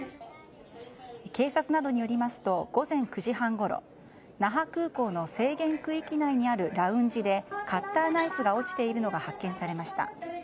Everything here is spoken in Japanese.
警察などによりますと午前９時半ごろ那覇空港の制限区域内にあるラウンジでカッターナイフが落ちているのが発見されました。